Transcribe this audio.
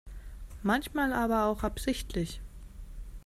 Manchmal aber auch absichtlich.